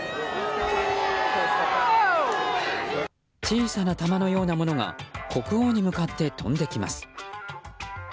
小さな玉のようなものが国王に向かって飛んできます。